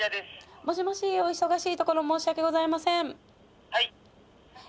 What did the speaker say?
もしもしお忙しいところ申し訳ございません